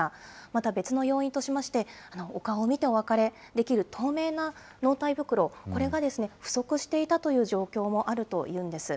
また、別の要因としまして、お顔を見てお別れできる透明な納体袋、これが不足していたという状況もあるというんです。